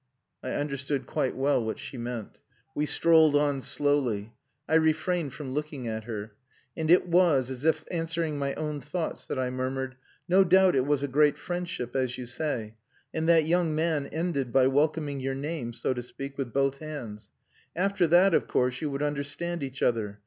I understood quite well what she meant. We strolled on slowly. I refrained from looking at her. And it was as if answering my own thoughts that I murmured "No doubt it was a great friendship as you say. And that young man ended by welcoming your name, so to speak, with both hands. After that, of course, you would understand each other.